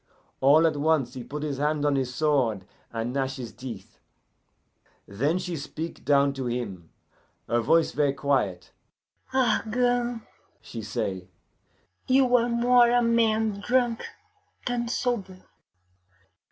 All at once he put his hand on his sword, and gnash his teeth. "Then she speak down to him, her voice ver' quiet. 'Argand,' she say, 'you are more a man drunk than sober.